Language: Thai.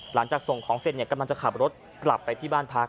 หลังจากส่งของเสร็จกำลังจะขับรถกลับไปที่บ้านพัก